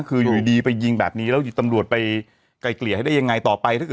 คืออยู่ดีไปยิงแบบนี้แล้วตำรวจไปไกลเกลี่ยให้ได้ยังไงต่อไปถ้าเกิด